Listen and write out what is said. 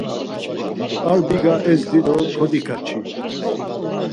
Ar biga ezdi do kodikaçi.